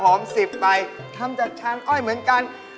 ๑๐ใบทำจากชามอ้อยเหมือนกัน